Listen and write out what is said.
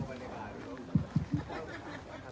สวัสดีครับทุกคน